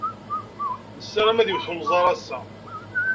Nessaram ad iwet unẓar ass-a.